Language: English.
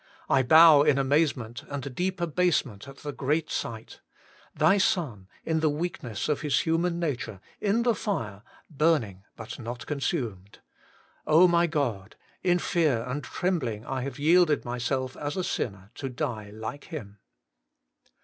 I bow in amazement and deep abasement at the great sight : Thy Son in the weakness of His human nature, in the fire, burning but not con sumed. my God ! in fear and trembling I have yielded myself as a sinner to die like Him.